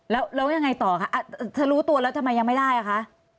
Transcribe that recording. แล้วยังไงต่อคะเธอรู้ตัวแล้วทำไมยังไม่ได้อ่ะคะ